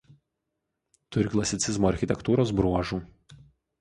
Turi klasicizmo architektūros bruožų.